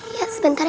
iya sebentar ya